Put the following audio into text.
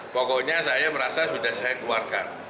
pokoknya saya merasa sudah saya keluarkan